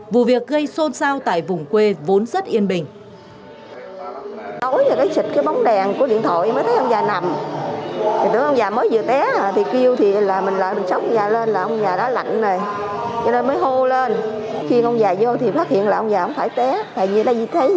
vụ việc gây xôn xao tại vùng quê vốn rất yên bình